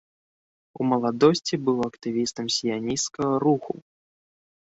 У маладосці быў актывістам сіянісцкага руху.